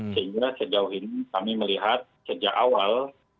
sehingga sejauh ini kami melihat sejak awal